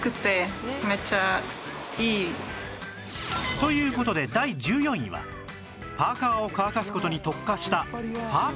という事で第１４位はパーカーを乾かす事に特化したパーカーハンガー